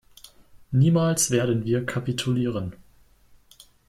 Niemals werden wir kapitulieren!